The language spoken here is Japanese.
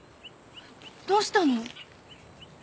どうしたの？